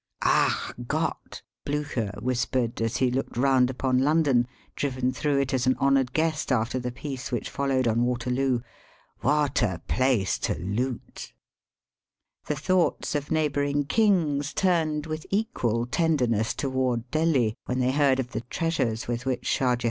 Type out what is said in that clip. "Ach Gott," Blucher whispered as he looked round upon London, driven through it an honoured guest after the peace which followed on Waterloo, ^'what a place to loot 1 '' The thoughts of neighbouring kings turned with equal tenderness toward Delhi when they heard of the treasures with which Shah Digitized by VjOOQIC 4 mmmmmmmmm DELHI.